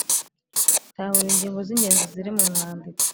tahura ingingo z’ingenzi ziri mu mwandiko